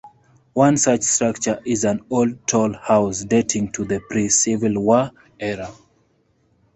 One such structure is an old toll house dating to the pre-Civil War era.